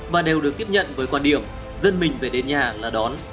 và đều được tiếp nhận với quan điểm dân mình phải đến nhà là đón